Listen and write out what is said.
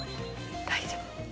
大丈夫。